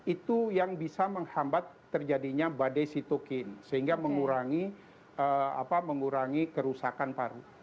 itu yang bisa menghambat terjadinya badai sitokin sehingga mengurangi kerusakan paru